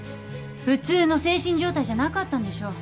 普通の精神状態じゃなかったんでしょう。